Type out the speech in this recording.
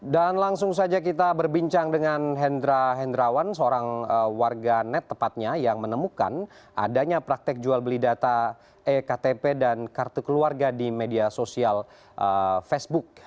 dan langsung saja kita berbincang dengan hendra hendrawan seorang warga net tepatnya yang menemukan adanya praktek jual beli data ektp dan kartu keluarga di media sosial facebook